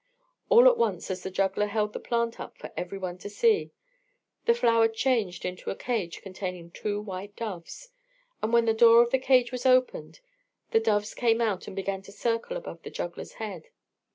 All at once, as the juggler held the plant up for every one to see, the flower changed into a cage containing two white doves, and, when the door of the cage was opened, the doves came out and began to circle about the juggler's head.